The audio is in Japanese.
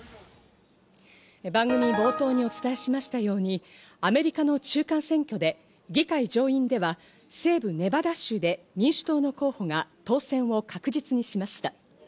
番組冒頭でお伝えしましたようにアメリカの中間選挙で議会上院では西部ネバダ州で民主党の候補が当選を確実にしました。